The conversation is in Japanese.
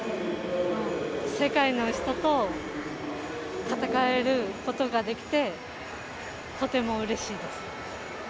世界の人と戦えることができてとてもうれしいです。